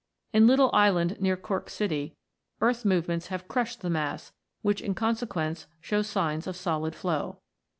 In Little Island, near Cork city, earth movements have crushed the mass, which in con sequence shows signs of solid flow.